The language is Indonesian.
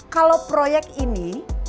kalau proyek ini